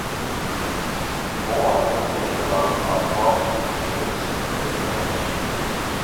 بۇ ئارقىلىق ئۇيغۇرلارنىڭ ئاساسى بىلىم چۈشەنچىسىنى بىلىپ بېقىش.